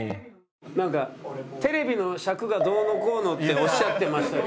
なんかテレビの尺がどうのこうのっておっしゃってましたけど。